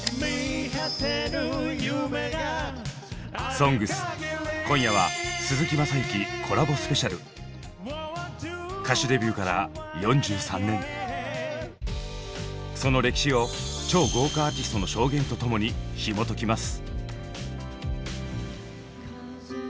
「ＳＯＮＧＳ」今夜は歌手デビューから４３年その歴史を超豪華アーティストの証言とともにひもときます。